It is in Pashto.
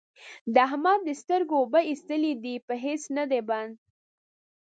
د احمد د سترګو اوبه اېستلې دي؛ په هيڅ نه دی بند،